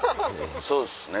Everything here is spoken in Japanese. そうですね。